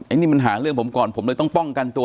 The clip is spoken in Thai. อันนี้มันหาเรื่องผมก่อนผมเลยต้องป้องกันตัว